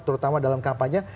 terutama dalam kampanye